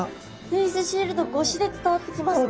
フェースシールドごしで伝わってきます。